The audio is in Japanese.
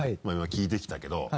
今聞いてきたけど。